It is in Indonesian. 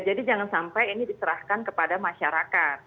jadi jangan sampai ini diserahkan kepada masyarakat